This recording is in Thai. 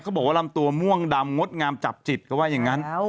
บอกว่าลำตัวม่วงดำงดงามจับจิตเขาว่าอย่างนั้น